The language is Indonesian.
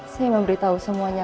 saya memberitahu semuanya